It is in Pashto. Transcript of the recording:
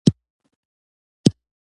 دا خبره مې له رفیع صاحب شریکه کړه.